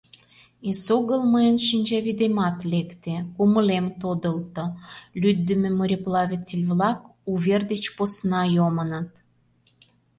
Эсогыл мыйын шинчавӱдемат лекте — кумылем тодылто: «Лӱддымӧ мореплаватель-влак...», «Увер деч посна йомыныт...».